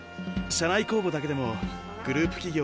社内公募だけでもグループ企業